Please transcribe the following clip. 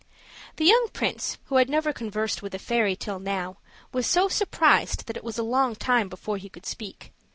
The young prince, who had never conversed with a fairy till now, was so surprised that it was a long time before he could speak.